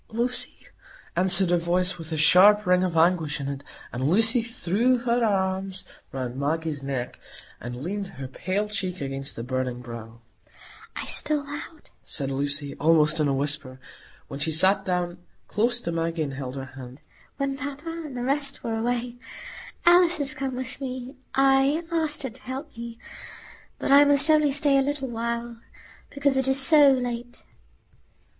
"Lucy!" answered a voice with a sharp ring of anguish in it; and Lucy threw her arms round Maggie's neck, and leaned her pale cheek against the burning brow. "I stole out," said Lucy, almost in a whisper, while she sat down close to Maggie and held her hand, "when papa and the rest were away. Alice is come with me. I asked her to help me. But I must only stay a little while, because it is so late."